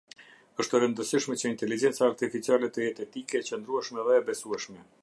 Është e rëndësishme që Intelegjenca Artificiale të jetë etike, e qëndrueshme dhe e besueshme.